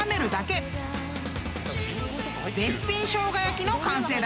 ［絶品しょうが焼きの完成だ！］